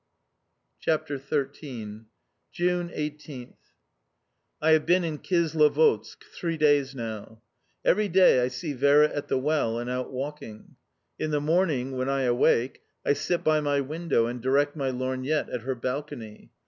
CHAPTER XIII. 18th June. I HAVE been in Kislovodsk three days now. Every day I see Vera at the well and out walking. In the morning, when I awake, I sit by my window and direct my lorgnette at her balcony.